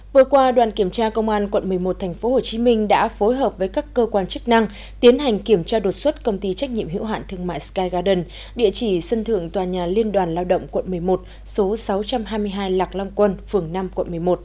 vừa qua đoàn kiểm tra công an quận một mươi một tp hcm đã phối hợp với các cơ quan chức năng tiến hành kiểm tra đột xuất công ty trách nhiệm hiệu hạn thương mại sky garden địa chỉ sân thượng toà nhà liên đoàn lao động quận một mươi một số sáu trăm hai mươi hai lạc long quân phường năm quận một mươi một